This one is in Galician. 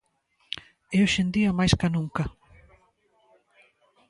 E hoxe en día máis ca nunca.